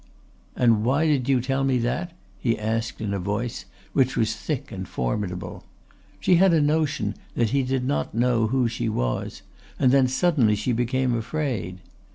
"And why do you tell me that?" he asked in a voice which was thick and formidable. She had a notion that he did not know who she was and then suddenly she became afraid.